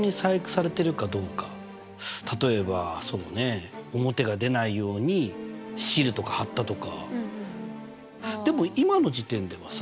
例えばそうねえ表が出ないようにシールとか貼ったとか。